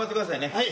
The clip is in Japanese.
はい。